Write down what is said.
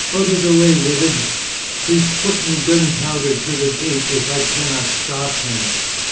"Oot o' the way, wimmen! He's putten gunpowder to the gate if I canna stop him."